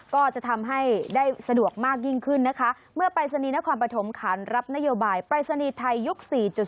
ก็จะทำให้ได้สะดวกมากยิ่งขึ้นนะคะเมื่อปรายศนีย์นครปฐมขานรับนโยบายปรายศนีย์ไทยยุค๔๐